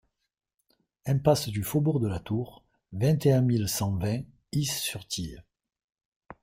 Impasse du Faubourg de la Tour, vingt et un mille cent vingt Is-sur-Tille